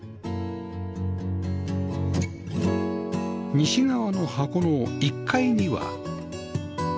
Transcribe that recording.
西側の箱の１階には